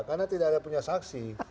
karena tidak ada punya saksi